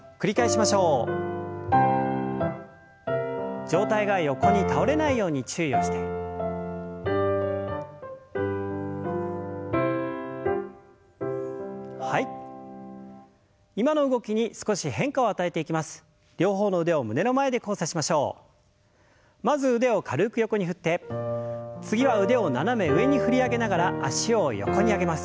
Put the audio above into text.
まず腕を軽く横に振って次は腕を斜め上に振り上げながら脚を横に上げます。